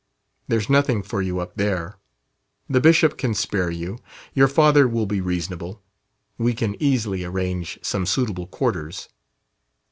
There's nothing for you up there. The bishop can spare you. Your father will be reasonable. We can easily arrange some suitable quarters..."